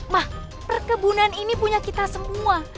mah perkebunan ini punya kita semua